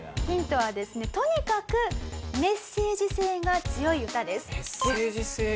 ヒントはですねとにかくメッセージ性が強い歌です。